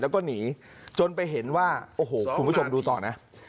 แล้วก็หนีจนไปเห็นว่าโอ้โหคุณผู้ชมดูต่อนะ